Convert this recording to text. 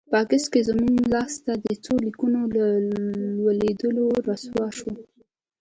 په اګست کې زموږ لاسته د څو لیکونو له لوېدلو رسوا شوه.